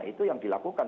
itu yang dilakukan